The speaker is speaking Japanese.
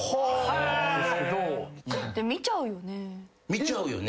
見ちゃうよね？